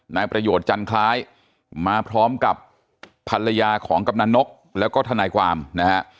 นายประโยชน์จันทรายมาพร้อมกับภรรยาของกำนันนกแล้วก็ทนายความนะฮะ